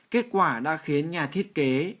kết quả đã khiến nhà thiết kế